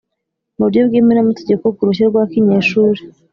mu buryo bwemewe n'amategeko ku ruhushya rwa kinyeshuri,